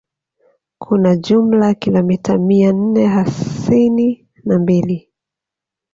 kuna jumla kilomita mia nne hasini na mbili